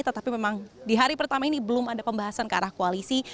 tetapi memang di hari pertama ini belum ada pembahasan ke arah koalisi